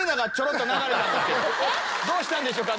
どうしたんでしょうか？